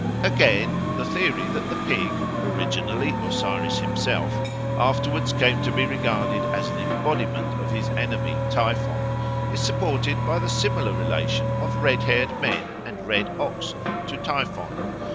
Again, the theory that the pig, originally Osiris himself, afterwards came to be regarded as an embodiment of his enemy Typhon, is supported by the similar relation of red haired men and red oxen to Typhon.